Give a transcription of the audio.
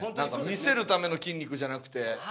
見せるための筋肉じゃなくて。